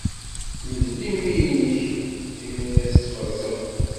Meddel imi-nnek mi ara tettfeẓẓed.